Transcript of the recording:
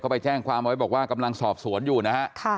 ไปแจ้งความไว้บอกว่ากำลังสอบสวนอยู่นะฮะ